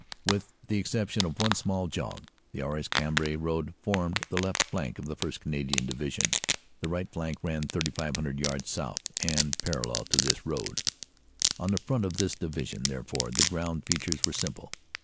"With the exception of one small jog, the Arras Cambrai road formed the left flank of the 1st. Canadian Division. The right flank ran 3,500 yards south of and parallel to this road. "On the front of this division, therefore, the ground feat ures were simple.